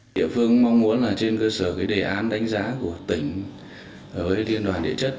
địa phương mong muốn là trên cơ sở cái đề án đánh giá của tỉnh với liên đoàn địa chất